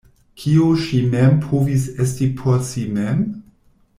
Kio ŝi mem povis esti por si mem?